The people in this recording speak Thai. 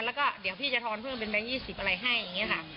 แล้วก็เดี๋ยวพี่จะทอนเพิ่มเป็นแบงค์๒๐อะไรให้อย่างนี้ค่ะ